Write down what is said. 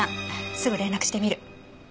すぐ連絡してみる。